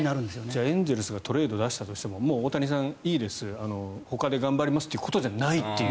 じゃあ、エンゼルスがトレードに出したとしてももう大谷さん、いいですほかで頑張りますってことじゃないっていう。